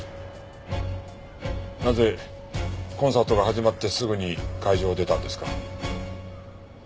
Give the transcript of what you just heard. なぜコンサートが始まってすぐに会場を出たんですか？